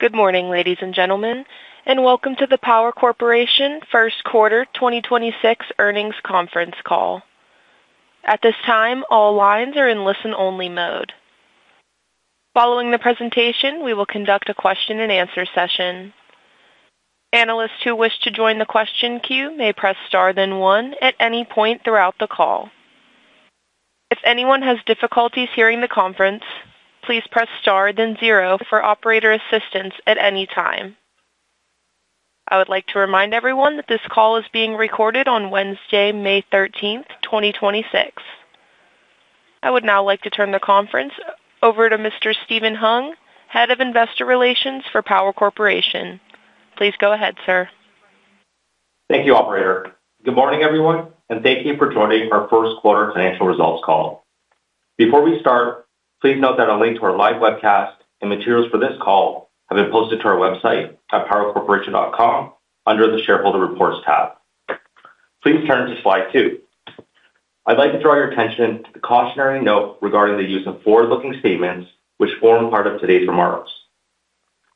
Good morning, ladies and gentlemen, and welcome to the Power Corporation First Quarter 2026 Earnings Conference Call. At this time, all lines are in listen-only mode. Following the presentation, we will conduct a question-and-answer session. Analysts who wish to join the question queue may press one then one at any point throughout the call. If anyone has difficulty hearing the conference, please press star then zero for operator assistance at any time. I would like to remind everyone that this call is being recorded on Wednesday, May 13th, 2026. I would now like to turn the conference over to Mr. Stephen Hung, Head of Investor Relations for Power Corporation. Please go ahead, sir. Thank you, operator. Good morning, everyone, and thank you for joining our first quarter financial results call. Before we start, please note that a link to our live webcast and materials for this call have been posted to our website at powercorporation.com under the shareholder reports tab. Please turn to slide 2. I'd like to draw your attention to the cautionary note regarding the use of forward-looking statements which form part of today's remarks.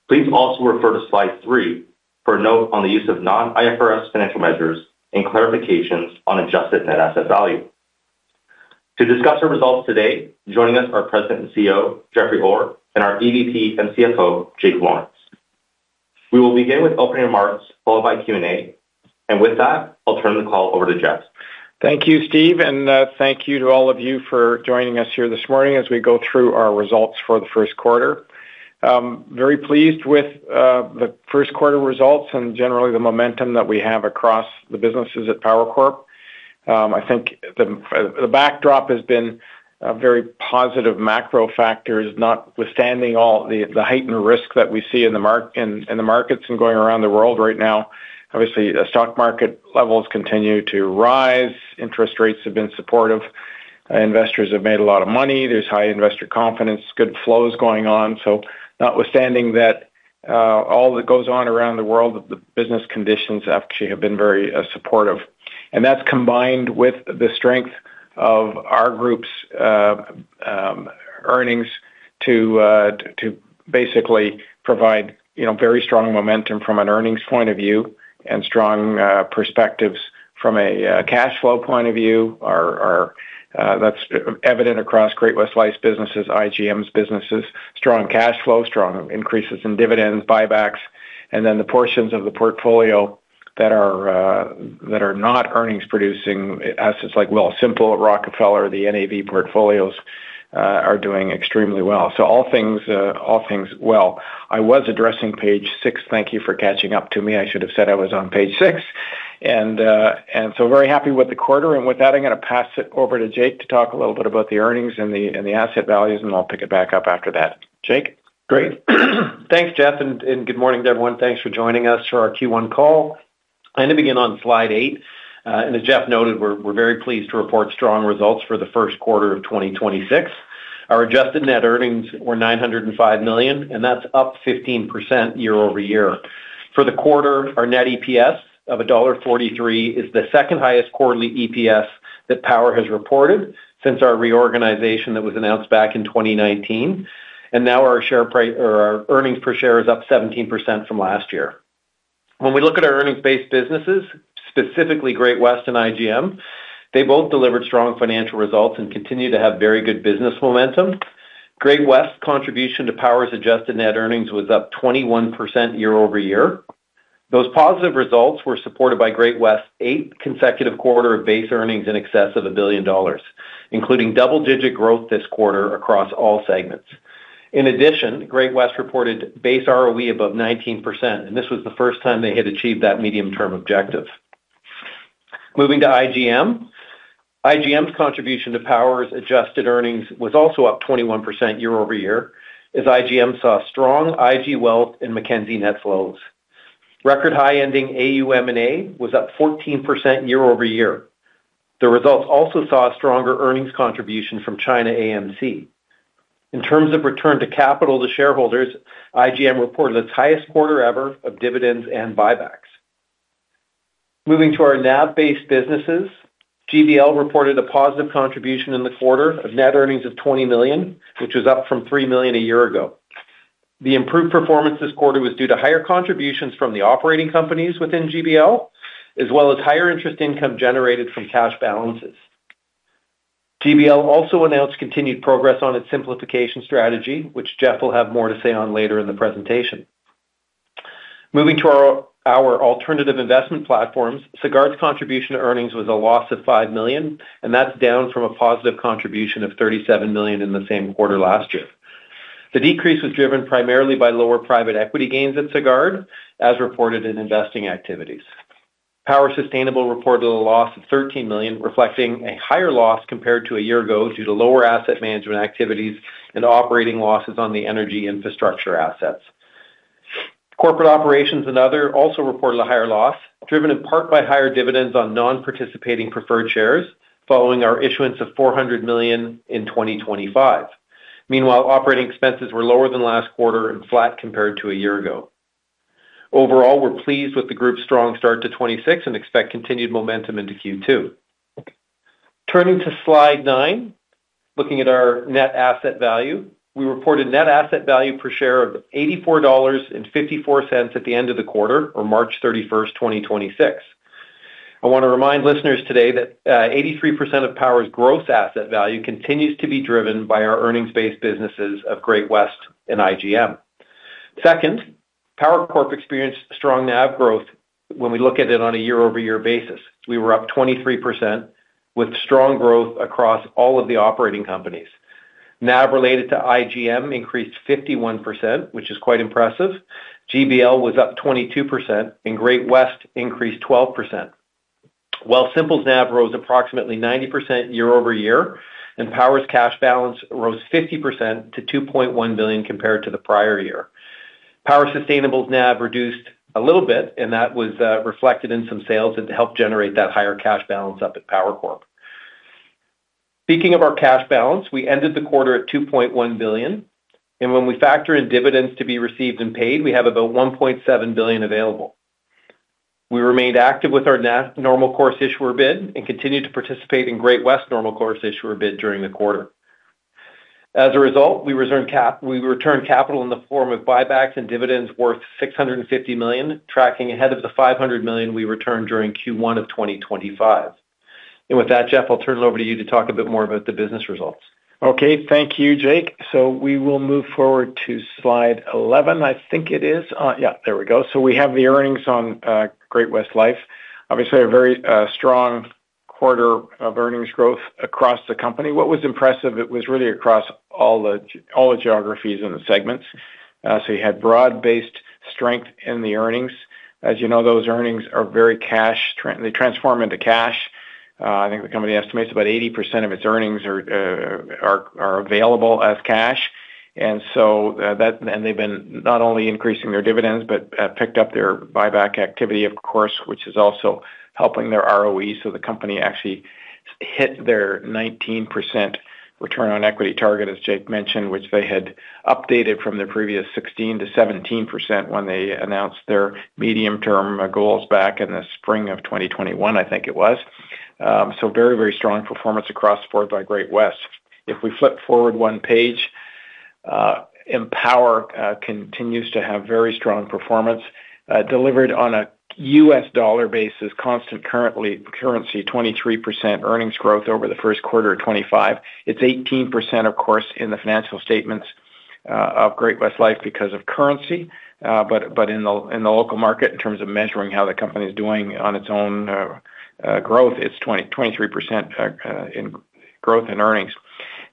Please also refer to slide 3 for a note on the use of non-IFRS financial measures and clarifications on adjusted net asset value. To discuss our results today, joining us are President and CEO, Jeffrey Orr, and our EVP and CFO, Jake Lawrence. We will begin with opening remarks followed by Q&A. With that, I'll turn the call over to Jeff. Thank you, Steve, and thank you to all of you for joining us here this morning as we go through our results for the first quarter. Very pleased with the first quarter results and generally the momentum that we have across the businesses at Power Corp. I think the backdrop has been a very positive macro factor, notwithstanding all the heightened risk that we see in the markets and going around the world right now. Obviously, the stock market levels continue to rise. Interest rates have been supportive. Investors have made a lot of money. There's high investor confidence, good flows going on. Notwithstanding that, all that goes on around the world, the business conditions actually have been very supportive. That's combined with the strength of our group's earnings to basically provide, you know, very strong momentum from an earnings point of view and strong perspectives from a cash flow point of view are, that's evident across Great-West Life businesses, IGM's businesses. Strong cash flow, strong increases in dividends, buybacks, the portions of the portfolio that are not earnings-producing assets like Wealthsimple, Rockefeller, the NAV portfolios are doing extremely well. All things well. I was addressing page 6. Thank you for catching up to me. I should have said I was on page 6. Very happy with the quarter. With that, I'm going to pass it over to Jake to talk a little bit about the earnings and the asset values, and I'll pick it back up after that. Jake? Great. Thanks, Jeff, and good morning to everyone. Thanks for joining us for our Q1 call. I'm going to begin on slide 8. As Jeff noted, we're very pleased to report strong results for the first quarter of 2026. Our adjusted net earnings were 905 million, that's up 15% year-over-year. For the quarter, our net EPS of dollar 1.43 is the second highest quarterly EPS that Power has reported since our reorganization that was announced back in 2019. Now our earnings per share is up 17% from last year. When we look at our earnings-based businesses, specifically Great-West and IGM, they both delivered strong financial results and continue to have very good business momentum. Great-West contribution to Power's adjusted net earnings was up 21% year-over-year. Those positive results were supported by Great-West's eighth consecutive quarter of base earnings in excess of 1 billion dollars, including double-digit growth this quarter across all segments. Great-West reported base ROE above 19%, and this was the first time they had achieved that medium-term objective. Moving to IGM. IGM's contribution to Power's adjusted earnings was also up 21% year over year, as IGM saw strong IG Wealth and Mackenzie net flows. Record high ending AUM&A was up 14% year over year. The results also saw a stronger earnings contribution from ChinaAMC. In terms of return to capital to shareholders, IGM reported its highest quarter ever of dividends and buybacks. Moving to our NAV-based businesses. GBL reported a positive contribution in the quarter of net earnings of 20 million, which was up from 3 million a year ago. The improved performance this quarter was due to higher contributions from the operating companies within GBL, as well as higher interest income generated from cash balances. GBL also announced continued progress on its simplification strategy, which Jeff will have more to say on later in the presentation. Moving to our alternative investment platforms. Sagard's contribution to earnings was a loss of 5 million. That's down from a positive contribution of 37 million in the same quarter last year. The decrease was driven primarily by lower private equity gains at Sagard, as reported in investing activities. Power Sustainable reported a loss of 13 million, reflecting a higher loss compared to a year ago due to lower asset management activities and operating losses on the energy infrastructure assets. Corporate operations and other also reported a higher loss, driven in part by higher dividends on non-participating preferred shares following our issuance of 400 million in 2025. Operating expenses were lower than last quarter and flat compared to a year ago. We're pleased with the group's strong start to 2026 and expect continued momentum into Q2. Turning to slide 9, looking at our net asset value. We reported net asset value per share of 84.54 dollars at the end of the quarter on March 31, 2026. I want to remind listeners today that 83% of Power's growth asset value continues to be driven by our earnings-based businesses of Great-West and IGM. Power Corp experienced strong NAV growth when we look at it on a year-over-year basis. We were up 23% with strong growth across all of the operating companies. NAV related to IGM increased 51%, which is quite impressive. GBL was up 22% and Great-West increased 12%. Wealthsimple's NAV rose approximately 90% year-over-year and Power's cash balance rose 50% to 2.1 billion compared to the prior year. Power Sustainable's NAV reduced a little bit, and that was reflected in some sales and to help generate that higher cash balance up at Power Corp. Speaking of our cash balance, we ended the quarter at 2.1 billion, and when we factor in dividends to be received and paid, we have about 1.7 billion available. We remained active with our normal course issuer bid and continued to participate in Great-West normal course issuer bid during the quarter. As a result, we returned capital in the form of buybacks and dividends worth 650 million, tracking ahead of the 500 million we returned during Q1 of 2025. With that, Jeff, I'll turn it over to you to talk a bit more about the business results. Okay. Thank you, Jake. We will move forward to slide 11, I think it is. Yeah, there we go. We have the earnings on Great-West Life. Obviously, a very strong quarter of earnings growth across the company. What was impressive, it was really across all the geographies and the segments. You had broad-based strength in the earnings. As you know, those earnings are very cash, they transform into cash. I think the company estimates about 80% of its earnings are available as cash. They've been not only increasing their dividends, but picked up their buyback activity, of course, which is also helping their ROE. The company actually hit their 19% ROE target, as Jake mentioned, which they had updated from their previous 16%-17% when they announced their medium-term goals back in the spring of 2021, I think it was. Very strong performance across the board by Great-West. If we flip forward one page, Empower continues to have very strong performance, delivered on a U.S. dollar basis, constant currency, 23% earnings growth over the first quarter of 2025. It's 18%, of course, in the financial statements of Great-West Life because of currency. In the local market, in terms of measuring how the company is doing on its own growth, it's 23% in growth and earnings.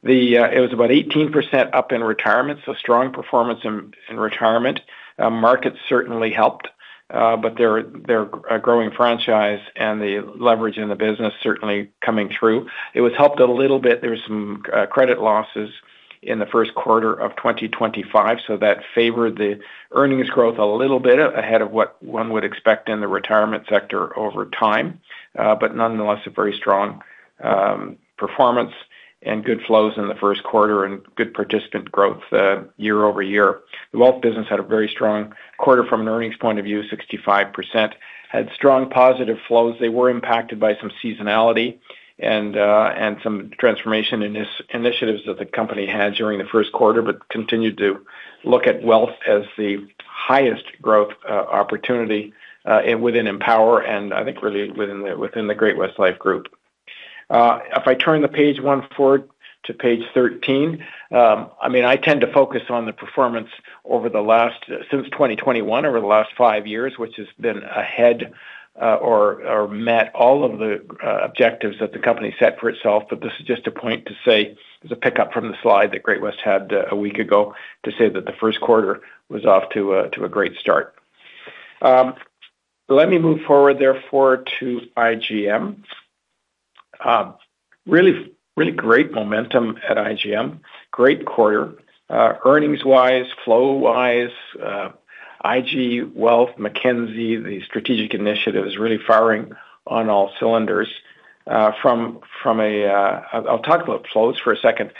It was about 18% up in retirement, strong performance in retirement. Market certainly helped, their growing franchise and the leverage in the business certainly coming through. It was helped a little bit. There were some credit losses in the first quarter of 2025, that favored the earnings growth a little bit ahead of what one would expect in the retirement sector over time. Nonetheless, a very strong performance and good flows in the first quarter and good participant growth year-over-year. The wealth business had a very strong quarter from an earnings point of view, 65%. Had strong positive flows. They were impacted by some seasonality and some transformation initiatives that the company had during the first quarter, but continued to look at wealth as the highest growth opportunity within Empower and I think really within the Great-West Lifeco group. If I turn the page 1 forward to page 13, I mean, I tend to focus on the performance over the last since 2021, over the last five years, which has been ahead or met all of the objectives that the company set for itself. This is just a point to say, as a pickup from the slide that Great-West had one week ago, to say that the first quarter was off to a great start. Let me move forward therefore to IGM. Really, really great momentum at IGM. Great quarter, earnings-wise, flow-wise, IG Wealth, Mackenzie, the strategic initiatives really firing on all cylinders. I'll talk about flows for a second.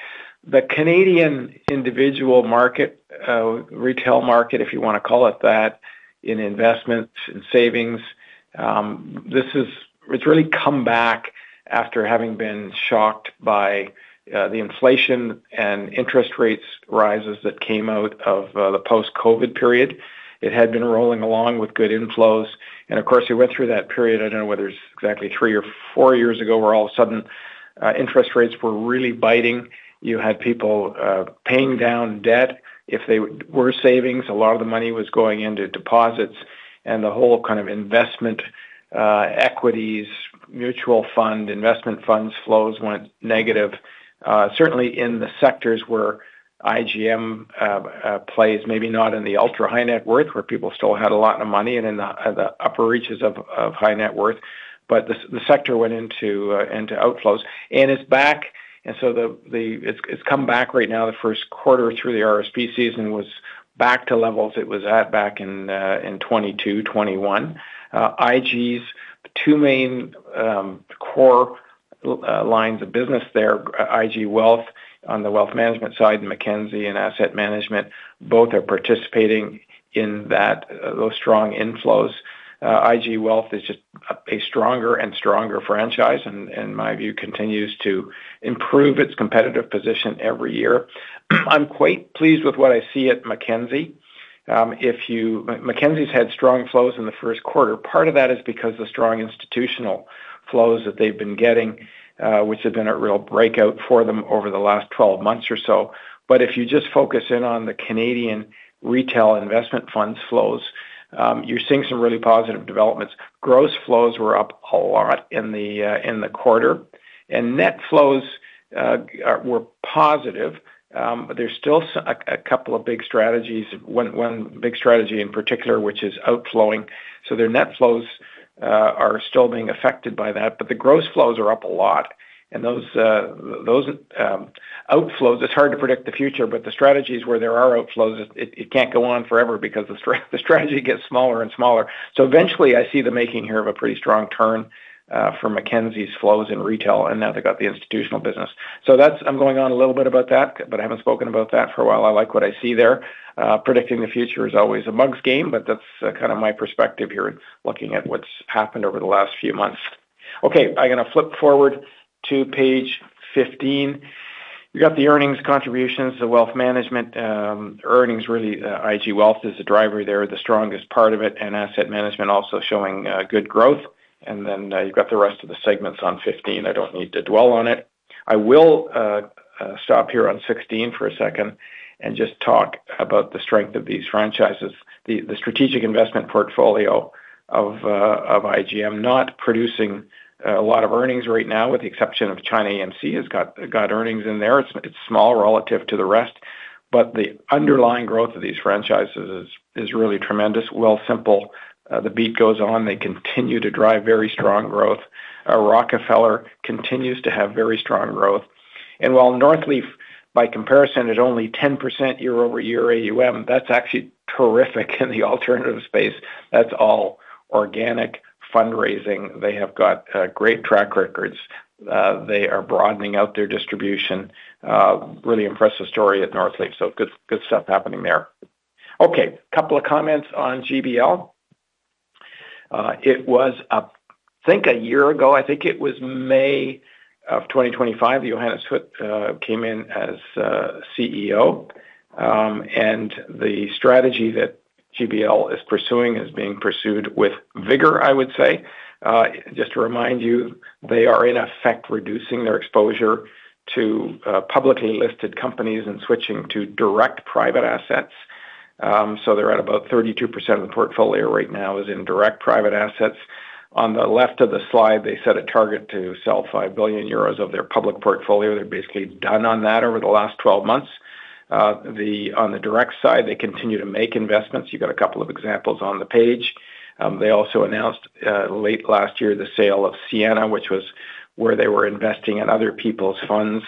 The Canadian individual market, retail market, if you want to call it that, in investments and savings, it's really come back after having been shocked by the inflation and interest rates rises that came out of the post-COVID period. It had been rolling along with good inflows. Of course, we went through that period, I don't know whether it's exactly three or four years ago, where all of a sudden, interest rates were really biting. You had people paying down debt. If they were savings, a lot of the money was going into deposits and the whole kind of investment, equities, mutual fund, investment funds flows went negative, certainly in the sectors where IGM plays, maybe not in the ultra-high net worth, where people still had a lot of money and in the upper reaches of high net worth. The sector went into outflows, and it's back. It's come back right now the first quarter through the RSP season was back to levels it was at back in 2022, 2021. IG's two main core lines of business there, IG Wealth on the wealth management side, and Mackenzie Investments in asset management. Both are participating in those strong inflows. IG Wealth is just a stronger and stronger franchise and my view continues to improve its competitive position every year. I'm quite pleased with what I see at Mackenzie. If Mackenzie's had strong flows in the first quarter. Part of that is because the strong institutional flows that they've been getting, which have been a real breakout for them over the last 12 months or so. If you just focus in on the Canadian retail investment funds flows, you're seeing some really positive developments. Gross flows were up a lot in the quarter, net flows were positive. There's still a couple of big strategies. One big strategy in particular, which is outflowing. Their net flows are still being affected by that, but the gross flows are up a lot. Those outflows, it's hard to predict the future, but the strategies where there are outflows, it can't go on forever because the strategy gets smaller and smaller. Eventually, I see the making here of a pretty strong turn for Mackenzie's flows in retail, and now they've got the institutional business. That's I'm going on a little bit about that, but I haven't spoken about that for a while. I like what I see there. Predicting the future is always a mug's game, but that's kind of my perspective here, looking at what's happened over the last few months. I'm going to flip forward to page 15. You got the earnings contributions, the wealth management, earnings really, IG Wealth is the driver there, the strongest part of it, and asset management also showing good growth. You've got the rest of the segments on 15. I don't need to dwell on it. I will stop here on 16 for a second and just talk about the strength of these franchises. The strategic investment portfolio of IGM not producing a lot of earnings right now, with the exception of ChinaAMC, has got earnings in there. It's small relative to the rest. The underlying growth of these franchises is really tremendous. Wealthsimple, the beat goes on. They continue to drive very strong growth. Rockefeller continues to have very strong growth. While Northleaf, by comparison, is only 10% year-over-year AUM, that's actually terrific in the alternative space. That's all organic fundraising. They have got great track records. They are broadening out their distribution. Really impressive story at Northleaf, good stuff happening there. Okay, couple of comments on GBL. It was, I think a year ago, I think it was May of 2025, Johannes Huth came in as CEO. The strategy that GBL is pursuing is being pursued with vigor, I would say. Just to remind you, they are in effect reducing their exposure to publicly listed companies and switching to direct private assets. They're at about 32% of the portfolio right now is in direct private assets. On the left of the slide, they set a target to sell 5 billion euros of their public portfolio. They're basically done on that over the last 12 months. On the direct side, they continue to make investments. You got a couple of examples on the page. They also announced late last year, the sale of Sienna, which was where they were investing in other people's funds.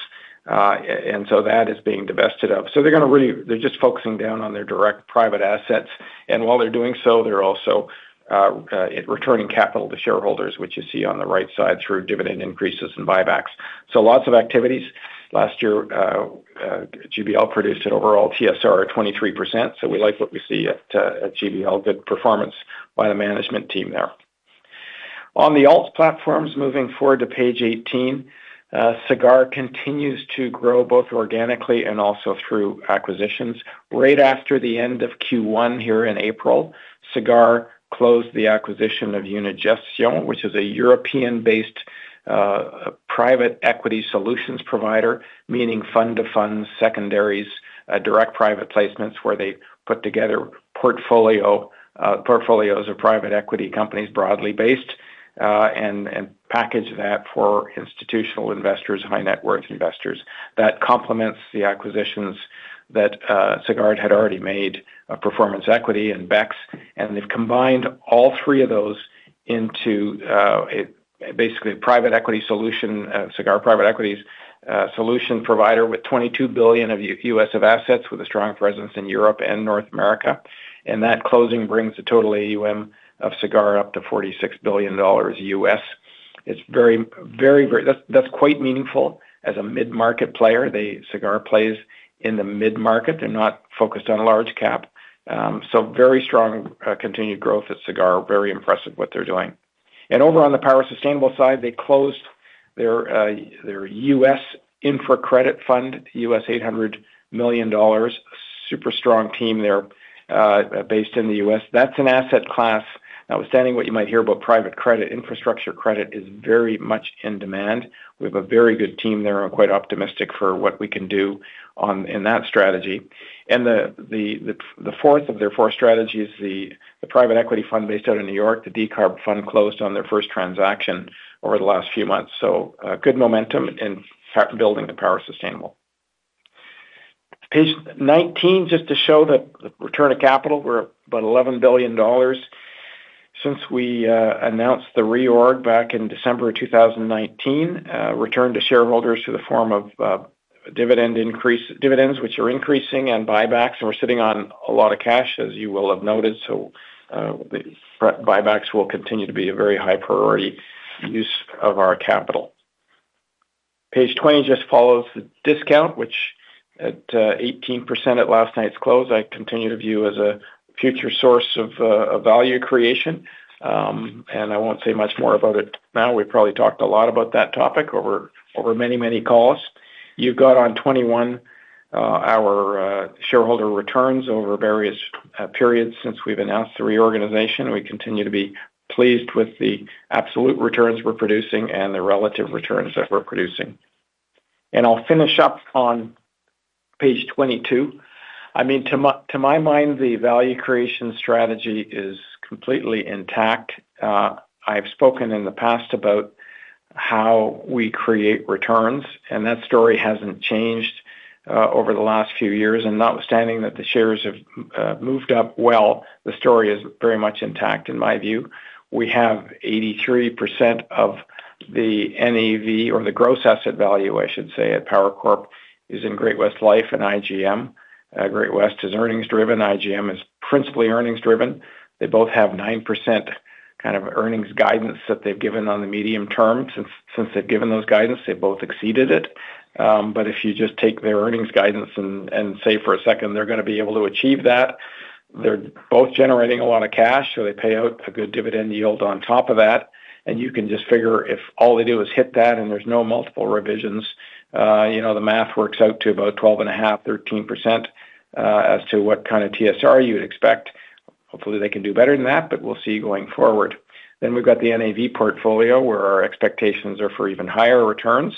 That is being divested of. They're just focusing down on their direct private assets. While they're doing so, they're also returning capital to shareholders, which you see on the right side through dividend increases and buybacks. Lots of activities. Last year, GBL produced an overall TSR of 23%. We like what we see at GBL. Good performance by the management team there. On the alts platforms, moving forward to page 18, Sagard continues to grow both organically and also through acquisitions. Right after the end of Q1 here in April, Sagard closed the acquisition of Unigestion, which is a European-based private equity solutions provider, meaning fund-to-fund secondaries, direct private placements where they put together portfolios of private equity companies broadly based, and package that for institutional investors, high net worth investors. That complements the acquisitions that Sagard had already made, Performance Equity and BEX, and they've combined all three of those into basically a private equity solution, Sagard Private Equities solution provider with $22 billion of U.S. assets with a strong presence in Europe and North America. That closing brings the total AUM of Sagard up to $46 billion. That's quite meaningful as a mid-market player. Sagard plays in the mid-market. They're not focused on large cap. very strong continued growth at Sagard. Very impressive what they're doing. Over on the Power Sustainable side, they closed their U.S. infra credit fund, $800 million. Super strong team there, based in the U.S. That's an asset class. Notwithstanding what you might hear about private credit, infrastructure credit is very much in demand. We have a very good team there. I'm quite optimistic for what we can do in that strategy. The fourth of their four strategies, the private equity fund based out of New York, the Decarb Fund, closed on their first transaction over the last few months. Good momentum in building Power Sustainable. Page 19, just to show the return of capital. We're about 11 billion dollars since we announced the reorg back in December 2019. Return to shareholders through the form of dividends which are increasing and buybacks, we're sitting on a lot of cash, as you will have noted. The buybacks will continue to be a very high priority use of our capital. Page 20 just follows the discount, which at 18% at last night's close, I continue to view as a future source of value creation. I won't say much more about it now. We probably talked a lot about that topic over many, many calls. You've got on 21, our shareholder returns over various periods since we've announced the reorganization. We continue to be pleased with the absolute returns we're producing and the relative returns that we're producing. I'll finish up on page 22. I mean, to my mind, the value creation strategy is completely intact. I've spoken in the past about how we create returns, that story hasn't changed over the last few years. Notwithstanding that the shares have moved up well, the story is very much intact in my view. We have 83% of the NAV or the gross asset value, I should say, at Power Corp, is in Great-West Life and IGM. Great West is earnings driven. IGM is principally earnings driven. They both have 9% earnings guidance that they've given on the medium term. Since they've given those guidance, they both exceeded it. If you just take their earnings guidance and say for a second, they're going to be able to achieve that, they're both generating a lot of cash. They pay out a good dividend yield on top of that. You can just figure if all they do is hit that and there's no multiple revisions, you know, the math works out to about 12.5%, 13% as to what kind of TSR you would expect. Hopefully, they can do better than that, we'll see going forward. We've got the NAV portfolio, where our expectations are for even higher returns.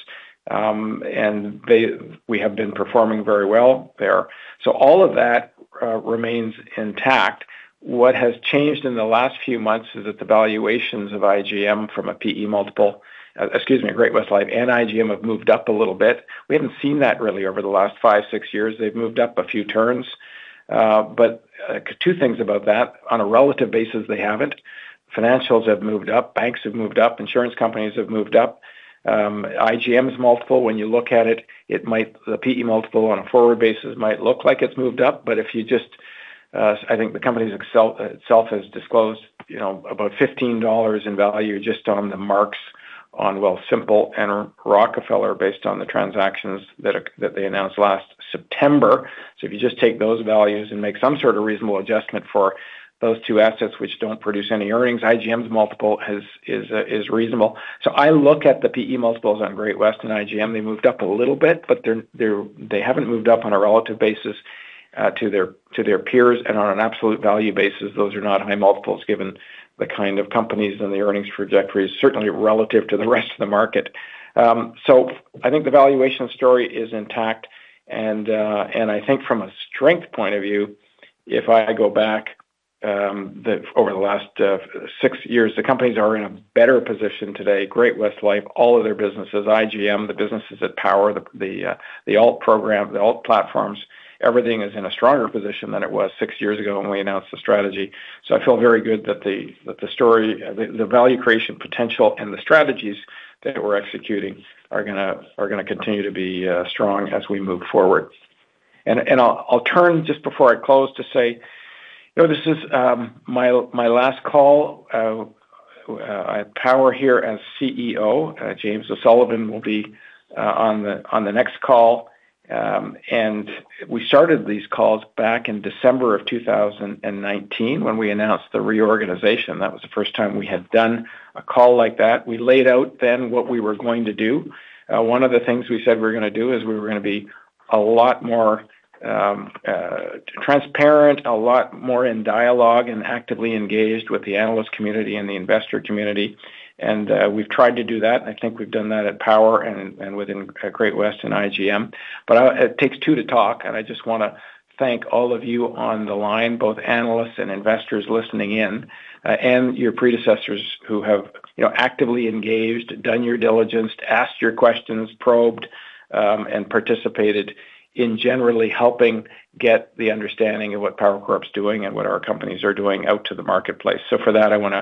We have been performing very well there. All of that remains intact. What has changed in the last few months is that the valuations of IGM from a PE multiple, excuse me, Great-West Life and IGM have moved up a little bit. We haven't seen that really over the last 5, 6 years. They've moved up a few turns. Two things about that. On a relative basis, they haven't. Financials have moved up, banks have moved up, insurance companies have moved up. IGM is multiple. When you look at it, the P/E multiple on a forward basis might look like it's moved up. If you just, I think the company itself has disclosed, you know, about 15 dollars in value just on the marks on, Wealthsimple and Rockefeller based on the transactions that they announced last September. If you just take those values and make some sort of reasonable adjustment for those 2 assets which don't produce any earnings, IGM's multiple is reasonable. I look at the PE multiples on Great-West and IGM. They moved up a little bit, but they haven't moved up on a relative basis to their peers and on an absolute value basis those are not high multiples given the kind of companies and the earnings trajectories, certainly relative to the rest of the market. I think the valuation story is intact. I think from a strength point of view, if I go back, over the last six years, the companies are in a better position today. Great-West Life, all of their businesses, IGM, the businesses at Power, the alt program, the alt platforms, everything is in a stronger position than it was six years ago when we announced the strategy. I feel very good that the story, the value creation potential and the strategies that we're executing are going to continue to be strong as we move forward. I'll turn just before I close to say, you know, this is my last call at Power here as CEO. James O'Sullivan will be on the next call. We started these calls back in December 2019 when we announced the reorganization. That was the first time we had done a call like that. We laid out then what we were going to do. One of the things we said we were going to do is we were going to be a lot more transparent, a lot more in dialogue and actively engaged with the analyst community and the investor community. We've tried to do that, and I think we've done that at Power and at Great-West and IGM. It takes two to talk, and I just want to thank all of you on the line, both analysts and investors listening in, and your predecessors who have, you know, actively engaged, done your diligence, asked your questions, probed, and participated in generally helping get the understanding of what Power Corp's doing and what our companies are doing out to the marketplace. For that, I want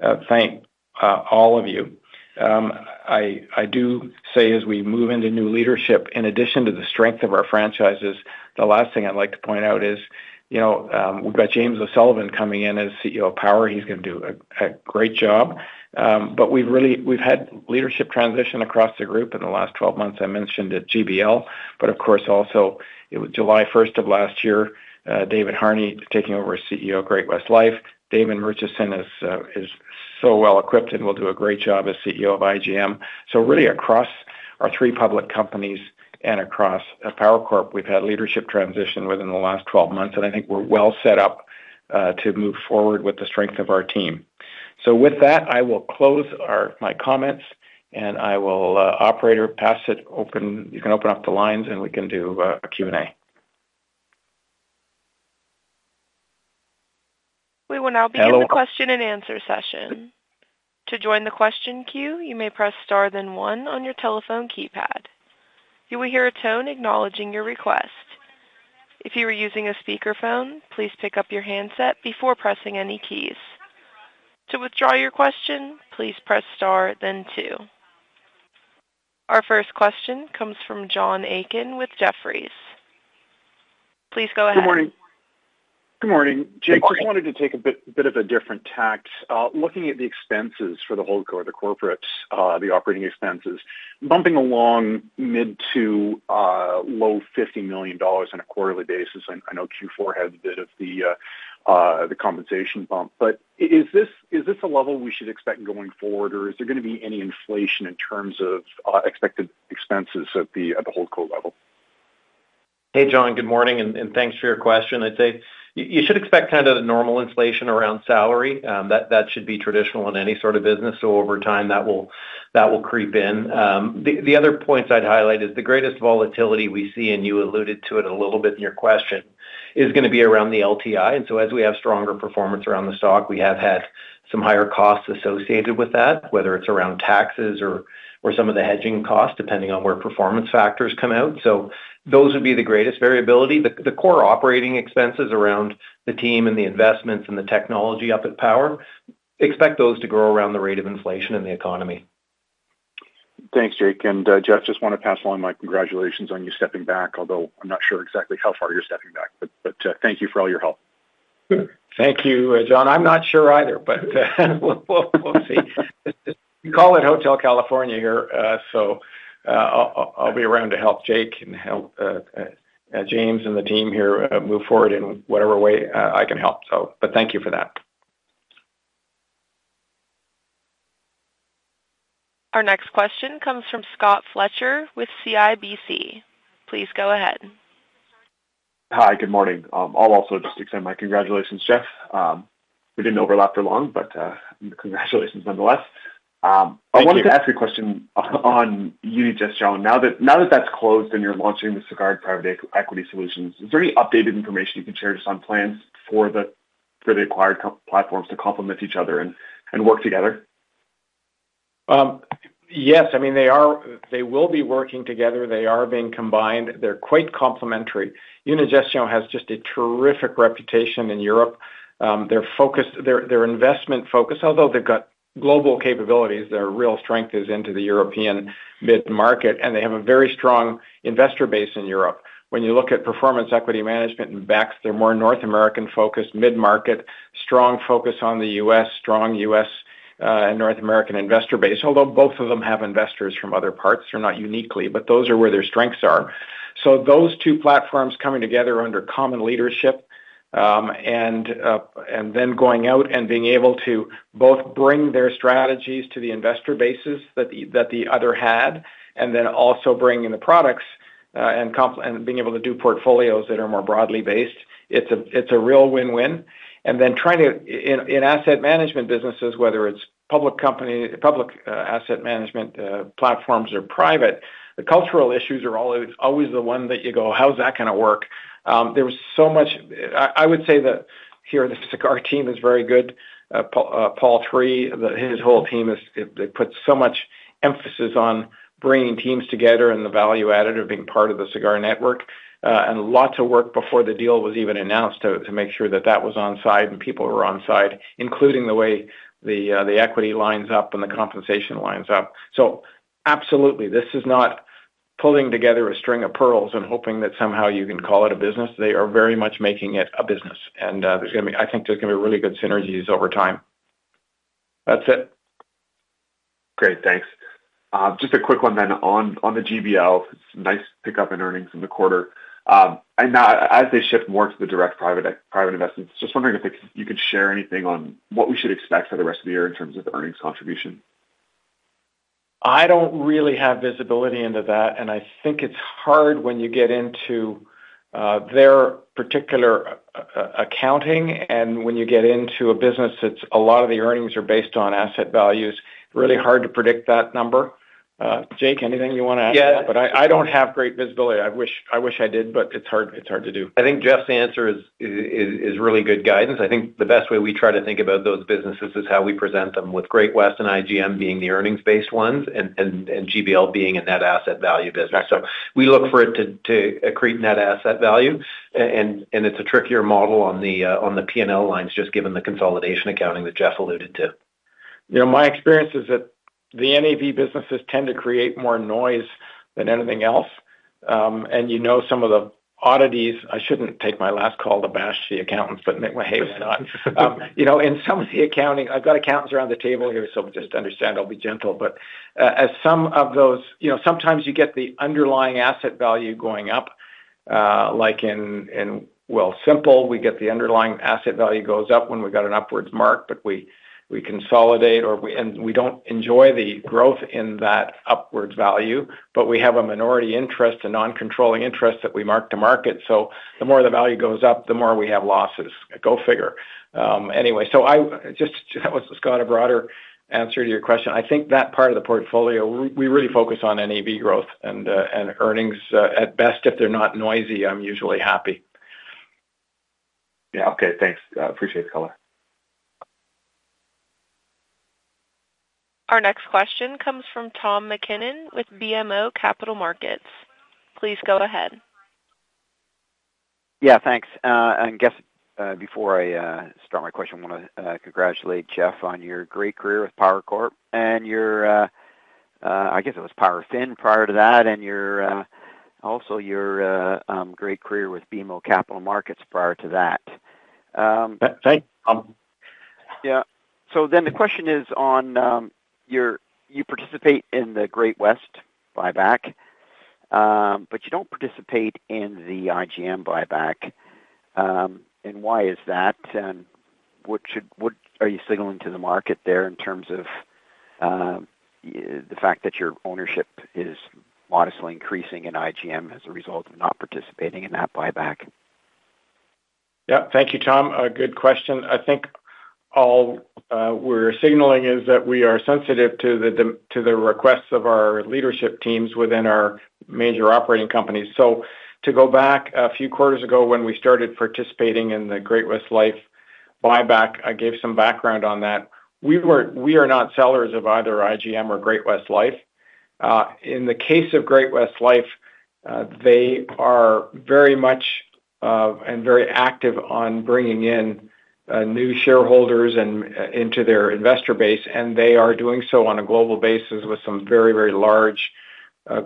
to thank all of you. I do say as we move into new leadership, in addition to the strength of our franchises, the last thing I'd like to point out is, you know, we've got James O'Sullivan coming in as CEO of Power. He's going to do a great job. We've really had leadership transition across the group in the last 12 months. I mentioned at GBL, but of course, also it was July first of last year, David Harney taking over as CEO of Great-West Life. Damon Murchison is so well equipped and will do a great job as CEO of IGM. Really across our three public companies and across at Power Corp, we've had leadership transition within the last 12 months, and I think we're well set up to move forward with the strength of our team. With that, I will close my comments, and I will, operator pass it open. You can open up the lines, and we can do a Q&A. Hello. We will now begin the question-and-answer session. To join the question queue, you may press star then one on your telephone keypad. You will hear a tone acknowledging your request. If you're using a speaker phone, please pick up your headset before pressing any keys. To withdraw your question, please press star then two. Our first question comes from John Aiken with Jefferies. Please go ahead. Good morning. Good morning. Good morning. Jake, just wanted to take a bit of a different tact. Looking at the expenses for the holdco, the corporates, the operating expenses, bumping along mid to low 50 million dollars on a quarterly basis. I know Q4 had a bit of the compensation bump. Is this a level we should expect going forward, or is there going to be any inflation in terms of expected expenses at the holdco level? Hey, John. Good morning and thanks for your question. I'd say you should expect kind of the normal inflation around salary. That should be traditional in any sort of business. Over time, that will creep in. The other points I'd highlight is the greatest volatility we see, and you alluded to it a little bit in your question, is going to be around the LTI. As we have stronger performance around the stock, we have had some higher costs associated with that, whether it's around taxes or some of the hedging costs, depending on where performance factors come out. Those would be the greatest variability. The core operating expenses around the team and the investments and the technology up at Power, expect those to grow around the rate of inflation in the economy. Thanks, Jake. Jeff, just want to pass along my congratulations on you stepping back, although I'm not sure exactly how far you're stepping back. Thank you for all your help. Thank you, John. I'm not sure either, but we'll see. We call it Hotel California here, so I'll be around to help Jake and help James and the team here move forward in whatever way I can help. Thank you for that. Our next question comes from Scott Fletcher with CIBC. Please go ahead. Hi, good morning. I'll also just extend my congratulations, Jeff. We didn't overlap for long, but congratulations nonetheless. Thank you. I wanted to ask a question on Unigestion. Now that that's closed and you're launching the Sagard Private Equity Solutions, is there any updated information you can share just on plans for the acquired platforms to complement each other and work together? Yes. I mean, They will be working together. They are being combined. They're quite complementary. Unigestion has just a terrific reputation in Europe. Their investment focus, although they've got global capabilities, their real strength is into the European mid-market, and they have a very strong investor base in Europe. When you look at Performance Equity Management and BEX, they're more North American-focused, mid-market, strong focus on the U.S., strong U.S. and North American investor base. Although both of them have investors from other parts, they're not uniquely, but those are where their strengths are. Those two platforms coming together under common leadership, and then going out and being able to both bring their strategies to the investor bases that the, that the other had, and then also bring in the products, and being able to do portfolios that are more broadly based, it's a, it's a real win-win. Then in asset management businesses, whether it's public asset management platforms or private, the cultural issues are always the one that you go, "How's that going to work?" There was so much I would say that here the Sagard team is very good. Paul III, his whole team they put so much emphasis on bringing teams together and the value add of being part of the Sagard network, and lots of work before the deal was even announced to make sure that that was on side and people were on side, including the way the equity lines up and the compensation lines up. Absolutely. This is not pulling together a string of pearls and hoping that somehow you can call it a business. They are very much making it a business. I think there's going to be really good synergies over time. That's it. Great. Thanks. Just a quick one then on the GBL. Nice pickup in earnings in the quarter. As they shift more to the direct private investments, just wondering if, like, you could share anything on what we should expect for the rest of the year in terms of the earnings contribution. I don't really have visibility into that, and I think it's hard when you get into their particular accounting and when you get into a business that's a lot of the earnings are based on asset values. It's really hard to predict that number. Jake, anything you want to add to that? Yeah, but I don't have great visibility. I wish I did, but it's hard to do. I think Jeff's answer is really good guidance. I think the best way we try to think about those businesses is how we present them with Great-West and IGM being the earnings-based ones and GBL being a net asset value business. We look for it to accrete net asset value. It's a trickier model on the P&L lines, just given the consolidation accounting that Jeff alluded to. You know, my experience is that the NAV businesses tend to create more noise than anything else. You know, some of the oddities. I shouldn't take my last call to bash the accountants, but hey, why not? You know, in some of the accounting I've got accountants around the table here, just understand I'll be gentle. As some of those, you know, sometimes you get the underlying asset value going up, like in Wealthsimple, we get the underlying asset value goes up when we've got an upwards mark, but we consolidate. We don't enjoy the growth in that upwards value, but we have a minority interest, a non-controlling interest that we mark to market. The more the value goes up, the more we have losses. Go figure. Anyway, that was kind of a broader answer to your question. I think that part of the portfolio, we really focus on NAV growth and earnings. At best, if they're not noisy, I'm usually happy. Yeah. Okay, thanks. Appreciate the color. Our next question comes from Tom MacKinnon with BMO Capital Markets. Please go ahead. Yeah, thanks. I guess, before I start my question, I want to congratulate Jeff on your great career with Power Corp and your, I guess it was PowerFin prior to that and your, also your, great career with BMO Capital Markets prior to that. Thanks, Tom. Yeah. The question is, you participate in the Great-West buyback, but you don't participate in the IGM buyback. Why is that? What are you signaling to the market there in terms of the fact that your ownership is modestly increasing in IGM as a result of not participating in that buyback? Thank you, Tom. A good question. I think all we're signaling is that we are sensitive to the requests of our leadership teams within our major operating companies. To go back a few quarters ago when we started participating in the Great-West Life buyback, I gave some background on that. We are not sellers of either IGM or Great-West Life. In the case of Great-West Life, they are very much and very active on bringing in new shareholders and into their investor base, and they are doing so on a global basis with some very, very large